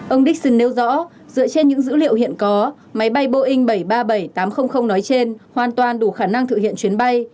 ông dixon nêu rõ dựa trên những dữ liệu hiện có máy bay boeing bảy trăm ba mươi bảy tám trăm linh nói trên hoàn toàn đủ khả năng thực hiện chuyến bay